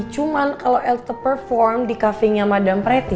cuman kalo el tuh perform di kafenya madam pretty